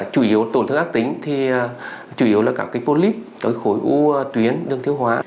chủ yếu tổn thương ác tính thì chủ yếu là cả cái polyp cái khối u tuyến đường tiêu hóa